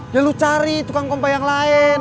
ya lu cari tukang kompa yang lain